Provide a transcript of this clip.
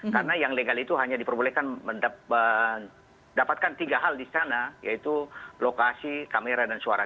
karena yang legal itu hanya diperbolehkan mendapatkan tiga hal di sana yaitu lokasi kamera dan suara